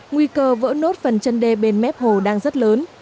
nguy cơ vỡ nốt phần chân đê bên mép hồ đang rất lớn